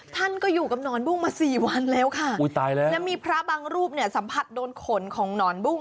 ท่านก็อยู่กับหนอนบุ้งมาสี่วันแล้วค่ะอุ้ยตายแล้วแล้วมีพระบางรูปเนี่ยสัมผัสโดนขนของหนอนบุ้ง